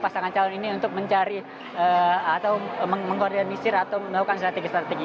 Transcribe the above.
pasangan calon ini untuk mencari atau mengorganisir atau melakukan strategi strategi